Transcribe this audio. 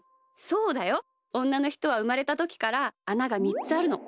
そうだよ。おんなのひとはうまれたときからあなが３つあるの。